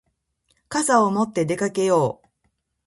傘を持って出かけよう。